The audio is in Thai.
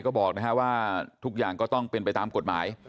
ก็บอกว่าทุกอย่างก็ต้องเป็นไปตามกฎหมาย